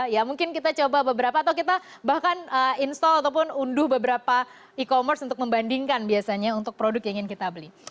ya mungkin kita coba beberapa atau kita bahkan install ataupun unduh beberapa e commerce untuk membandingkan biasanya untuk produk yang ingin kita beli